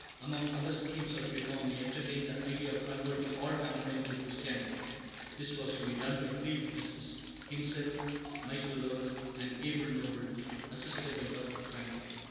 Among other schemes of reform he entertained the idea of converting all mankind to Christianity. This was to be done by three witnesses, himself, Michael Lovell, and Abel Noble, assisted by Dr. Franklin.